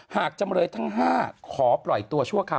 จำเลยทั้ง๕ขอปล่อยตัวชั่วคราว